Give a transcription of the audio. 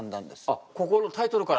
あっここのタイトルから。